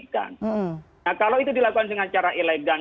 kalau itu dilakukan dengan cara elegan